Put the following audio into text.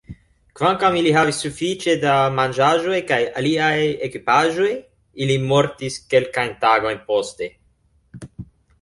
Kvankam ili havis sufiĉe da manĝaĵoj kaj aliaj ekipaĵoj, ili mortis kelkajn tagojn poste.